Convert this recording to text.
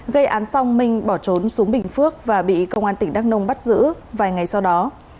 gây án xong minh bỏ trốn xuống bình phước và bị công an tỉnh đắk nông bắt giữ vài ngày sau đó